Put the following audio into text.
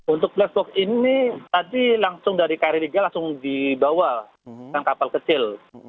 untuk black box ini tadi langsung dari kri riga langsung dibawa ke kapal kecil